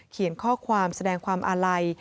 เขียนข้อความแสดงความอาลัย